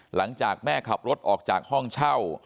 หลังจากแม่ขับรถออกจากห้องเช่า